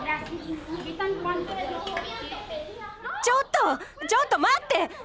ちょっとちょっと待って！